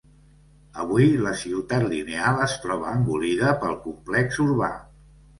Avui la Ciutat Lineal es troba engolida pel complex urbà.